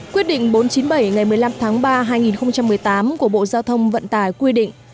quyết định bốn trăm chín mươi bảy ngày một mươi năm tháng ba hai nghìn một mươi tám của bộ giao thông vận tải quy định